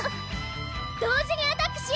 同時にアタックしよう！